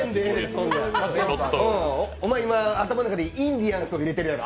今お前、頭の中でインディアンス入れてるやろ。